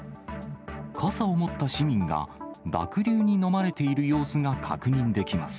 傘を持った市民が、濁流にのまれている様子が確認できます。